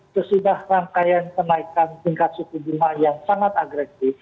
sesudah rangkaian kenaikan tingkat sepuluh juta yang sangat agresif